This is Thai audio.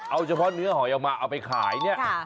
เอาเฉพาะเนื้อหอยออกมาเอาไปขายเนี่ย